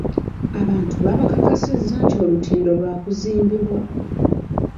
Abantu babakakasizza nti olutindo lwa kuzimbibwa.